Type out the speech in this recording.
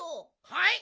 はい？